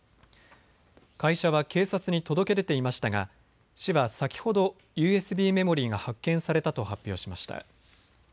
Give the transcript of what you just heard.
会社は警察に届け出ていましたが市は先ほどＵＳＢメモリーが発見されたと発表しました。